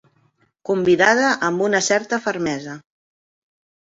Convidada amb una certa fermesa.